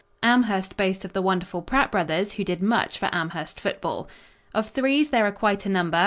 Amherst boasts of the wonderful Pratt brothers, who did much for Amherst football. Of threes there are quite a number.